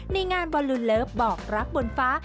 ในงานบอลลูนเลิฟบอกรักบนฟ้า